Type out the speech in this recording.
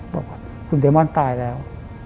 บอกว่าคุณเดมอนตายแล้ว